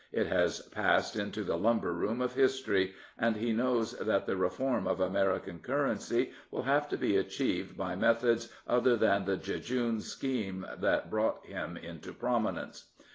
It has passed into the lumber room of history, and he knows that the reform of American currency will have to be achieved by methods other than the jejune scheme that brought him into prominence.